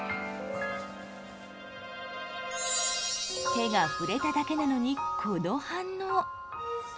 手が触れただけなのにこの反応。